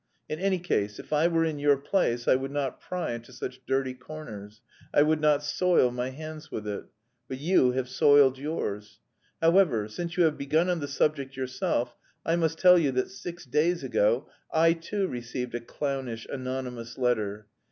In any case, if I were in your place, I would not pry into such dirty corners, I would not soil my hands with it. But you have soiled yours. However, since you have begun on the subject yourself, I must tell you that six days ago I too received a clownish anonymous letter.